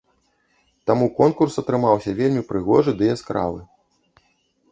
Таму конкурс атрымаўся вельмі прыгожы ды яскравы.